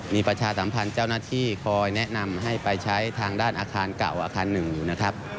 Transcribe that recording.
มีประชาสัมพันธ์เจ้าหน้าที่คอยแนะนำให้ไปใช้ทางด้านอาคารเก่าอาคารหนึ่งอยู่นะครับ